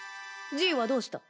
じいはどうした？